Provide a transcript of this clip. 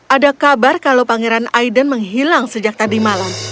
ada kabar kalau pangeran aiden menghilang sejak tadi malam